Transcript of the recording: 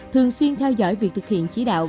thường xuyên theo dõi việc thực hiện chỉ đạo